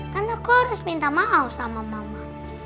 kan aku harus minta maaf sama mama